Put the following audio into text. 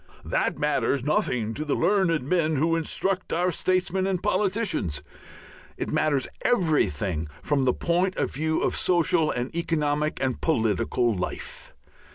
That matters nothing to the learned men who instruct our statesmen and politicians. It matters everything from the point of view of social and economic and political life.